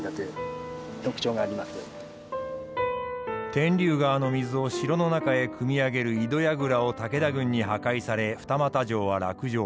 天竜川の水を城の中へくみ上げる井戸櫓を武田軍に破壊され二俣城は落城。